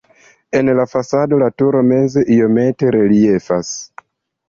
En la fasado la turo meze iomete reliefas.